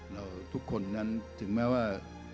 ทุกคนนั้นถึงแม้ว่า